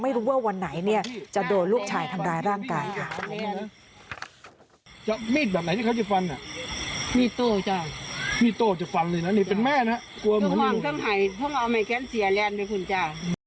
ไม่รู้ว่าวันไหนจะโดดลูกชายทำร้ายร่างกายค่ะ